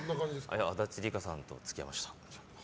足立梨花さんと付き合いました。